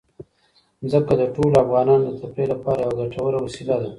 ځمکه د ټولو افغانانو د تفریح لپاره یوه ګټوره وسیله ده.